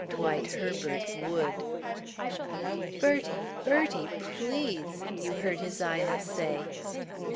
Dwight Herbert would. "Bertie, Bertie please!" you heard his Ina say.